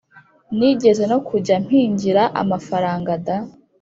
nigeze no kujya mpingira amafaranga da!